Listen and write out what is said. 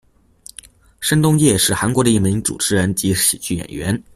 申东烨是韩国的一名主持人及喜剧演员。